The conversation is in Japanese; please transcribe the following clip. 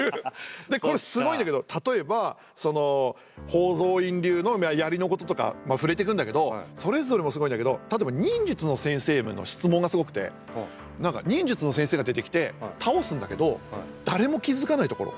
でこれすごいんだけど例えばその宝蔵院流の槍のこととか触れていくんだけどそれぞれもすごいんだけど例えば忍術の先生への質問がすごくて忍術の先生が出てきて倒すんだけど誰も気付かないところ。